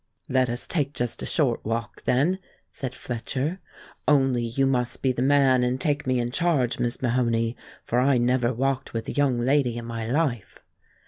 "Let us take just a short walk, then," said Fletcher; "only you must be the man and take me in charge, Miss Mahoney, for I never walked with a young lady in my life."